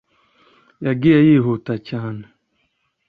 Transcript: yagiye yihuta cyane